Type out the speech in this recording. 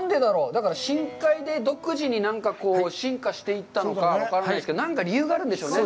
だから、深海で独自になんか進化していったのか分からないですけど、何か理由があるんでしょうね。